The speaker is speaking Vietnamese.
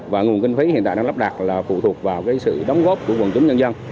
và nguồn kinh phí hiện tại đang lắp đặt là phụ thuộc vào sự đóng góp của quần chúng nhân dân